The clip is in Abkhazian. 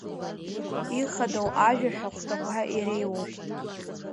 Ихадоу ажәаҳәа хәҭақәа иреиуоуп…